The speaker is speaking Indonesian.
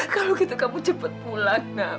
kalau gitu kamu cepet pulang nak